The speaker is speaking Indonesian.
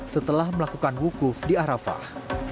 setelah melakukan wukuf di arafah